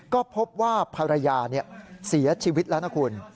ก็พบว่าภรรยาเสียชีวิตแล้วนะคุณ